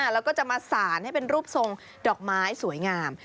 แล้วก็จะมาสารให้เป็นรูปทรงดอกไม้สวยงาม